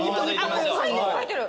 書いてる書いてる。